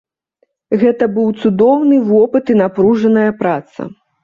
Гэта быў цудоўны вопыт і напружаная праца.